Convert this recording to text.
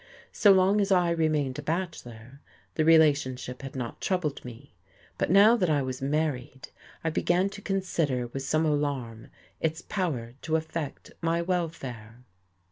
So long as I remained a bachelor the relationship had not troubled me, but now that I was married I began to consider with some alarm its power to affect my welfare.